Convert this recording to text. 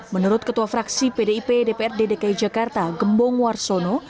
menurut ketua fraksi pdip dprd dki jakarta gembong warsono